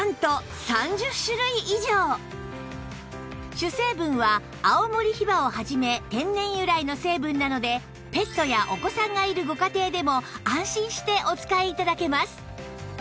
主成分は青森ヒバをはじめ天然由来の成分なのでペットやお子さんがいるご家庭でも安心してお使い頂けます